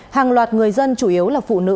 hàng loạt người dân chủ yếu là phụ nữ